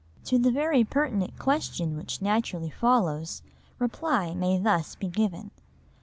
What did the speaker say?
To the very pertinent question which naturally follows, reply may thus be given.